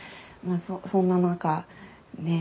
そんな中ね